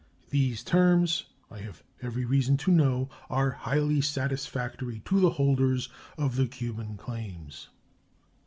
These terms, I have every reason to know, are highly satisfactory to the holders of the Cuban claims.